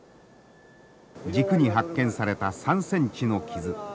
軸に発見された３センチの傷。